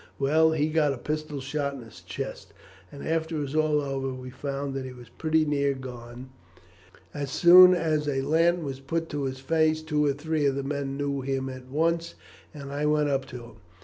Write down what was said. Well, he got a pistol shot in his chest, and after it was all over we found that he was pretty near gone. As soon as a lantern was put to his face two or three of the men knew him at once, and I went up to him.